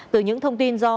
từ những thông tin do